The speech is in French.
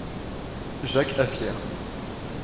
Jacques a Pierre.